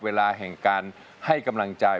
เวลาแห่งการให้กำลังใจ